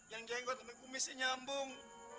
yang jenggot sama kumisnya nyambung